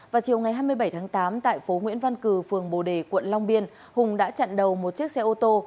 vào chiều ngày hai mươi bảy tháng tám tại phố nguyễn văn cử phường bồ đề quận long biên hùng đã chặn đầu một chiếc xe ô tô